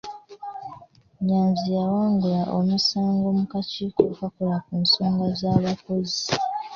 Nyanzi yawangula omusango mu kakiiko akakola ku nsonga z'abakozi.